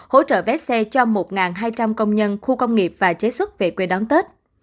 hỗ trợ vé xe cho một hai trăm linh công nhân khu công nghiệp và chế xuất về quê đón tết